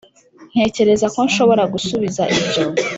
ntekereza ko nshobora gusubiza ibyo